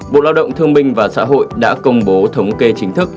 bộ lao động thương minh và xã hội đã công bố thống kê chính thức